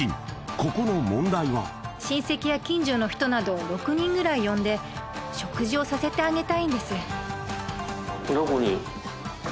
ここの問題は親戚や近所の人などを６人ぐらい呼んで食事をさせてあげたいんです